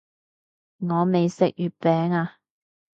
我未食月餅啊